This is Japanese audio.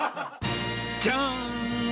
じゃーん！